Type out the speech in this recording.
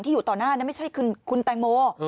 ที่อยู่ต่อหน้านั้นไม่ใช่คือคุณแตงโม